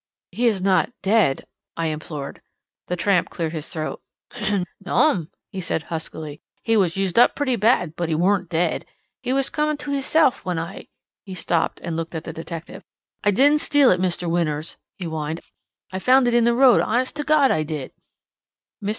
"He is not—dead?" I implored. The tramp cleared his throat. "No'm," he said huskily. "He was used up pretty bad, but he weren't dead. He was comin' to hisself when I"—he stopped and looked at the detective. "I didn't steal it, Mr. Winters," he whined. "I found it in the road, honest to God, I did." Mr.